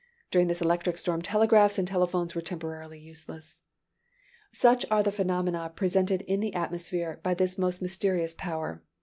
During this electric storm, telegraphs and telephones were temporarily useless. Such are the phenomena presented in the atmosphere by this most mysterious power.